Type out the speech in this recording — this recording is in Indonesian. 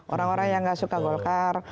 orang orang yang gak suka golkar